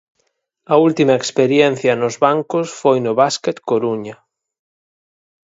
A última experiencia nos bancos foi no Básquet Coruña.